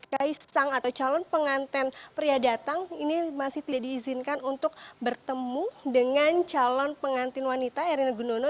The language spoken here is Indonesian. kaisang atau calon pengantin pria datang ini masih tidak diizinkan untuk bertemu dengan calon pengantin wanita erina gudono